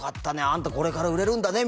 「あんたこれから売れるんだね」